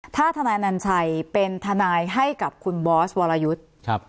ถ้าทนายนัญชัยเป็นทนายให้กับคุณบอสวรยุทธ์